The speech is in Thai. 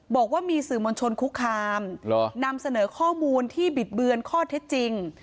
บอกว่ามีสื่อมวลชนคุกคามนำเสนอข้อมูลที่บิดเบือนข้อเท็จจริง